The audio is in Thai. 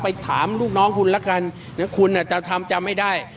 ไปถามลูกน้องคุณละกันคุณอาจจะทำจำไม่ได้